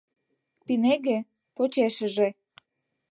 Пинеге — почешыже.